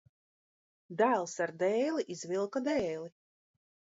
Dēls ar dēli izvilka dēli.